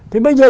thì bây giờ